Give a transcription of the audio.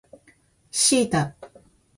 シータ